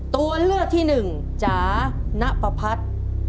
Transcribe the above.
ตัวเลือกที่หนึ่งจะณปภัทร